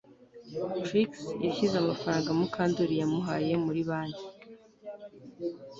Trix yashyize amafaranga Mukandoli yamuhaye muri banki